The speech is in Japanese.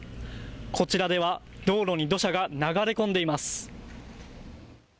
こちらでは道路に土砂が流れ込んでいます。